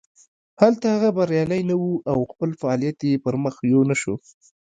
هلته هغه بریالی نه و او خپل فعالیت یې پرمخ یو نه شو.